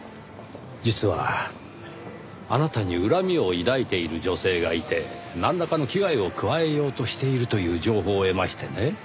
実はあなたに恨みを抱いている女性がいてなんらかの危害を加えようとしているという情報を得ましてね。